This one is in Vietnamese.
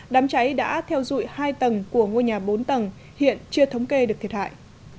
đám cháy đã theo dụi hai tầng của ngôi nhà bốn tầng hiện chưa thống kê được thiệt hại